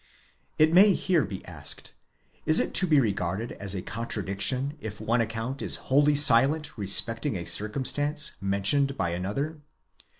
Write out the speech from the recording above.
It may here be asked: is it to be regarded asa contradiction if one account is wholly silent respecting a circumstance mentioned by another?